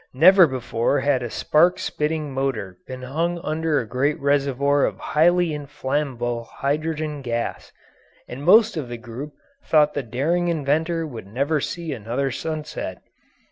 Never before had a spark spitting motor been hung under a great reservoir of highly inflammable hydrogen gas, and most of the group thought the daring inventor would never see another sunset.